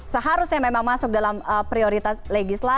seharusnya memang masuk dalam prioritas legislatif